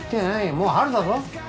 もう春だぞ。